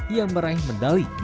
yang meraih medali